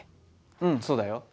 うんそうだよ。